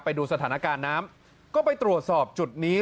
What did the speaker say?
ไปดูสถานการณ์น้ำก็ไปตรวจสอบจุดนี้